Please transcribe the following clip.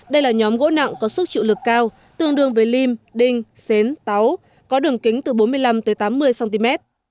đây là nhóm gỗ nặng có sức chịu lực cao tương đương với lim đinh xến táu có đường kính từ bốn mươi năm tám mươi cm